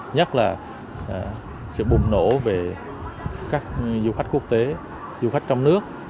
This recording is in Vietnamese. nhất là sự bùng nổ về các du khách quốc tế du khách trong nước